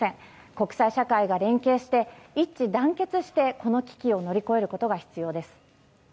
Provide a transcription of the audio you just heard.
国際社会が連携して一致団結してこの危機を乗り越えることが必要です。